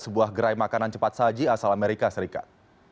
sebuah gerai makanan cepat saji asal amerika serikat